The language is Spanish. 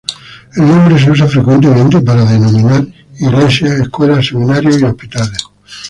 El nombre se usa frecuentemente para denominar iglesias, escuelas, seminarios y hospitales.